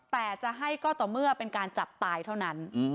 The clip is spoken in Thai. แต่จะให้ก็ต่อเมื่อเป็นการจับตายเท่านั้น